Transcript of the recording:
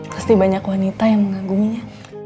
pasti banyak wanita yang mengaguminya